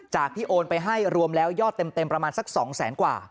ที่โอนไปให้รวมแล้วยอดเต็มประมาณสัก๒แสนกว่า